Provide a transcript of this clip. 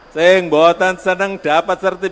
saya h c cd tmbg menerima ternir positif